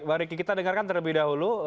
mari kita dengarkan terlebih dahulu